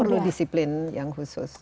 perlu disiplin yang khusus